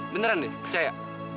beneran ya percaya